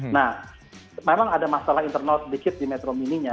nah memang ada masalah internal sedikit di metro mininya